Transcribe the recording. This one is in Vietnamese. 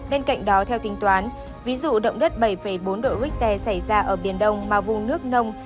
bên cạnh đó theo tính toán ví dụ động đất bảy bốn độ richter xảy ra ở biển đông mà vùng nước nông